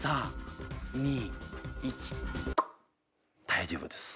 大丈夫です。